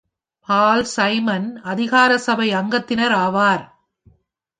பால் Simon அதிகார சபை அங்கத்தினர் ஆவார்.